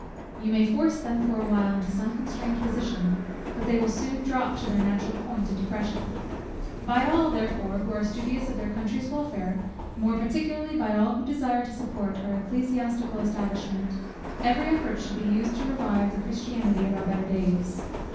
You may force them for a while into some constrained position, but they will soon drop to their natural point of depression. By all, therefore, who are studious of their country's welfare, more particularly by all who desire to support our ecclesiastical establishment, every effort should be used to revive the Christianity of our better days.